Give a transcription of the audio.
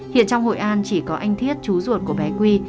hiện trong hội an chỉ có anh thiết chú ruột của bé quy